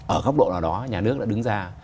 ở góc độ nào đó nhà nước đã đứng ra